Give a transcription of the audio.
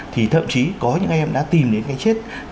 thì thậm chí có những em đã tìm đến cái chết